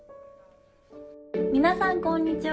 皆さん、こんにちは。